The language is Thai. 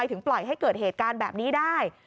ไม่ให้เกิดเหตุการณ์แบบนี้ได้